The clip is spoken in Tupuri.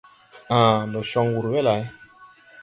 Ãã, ndo con wur we lay?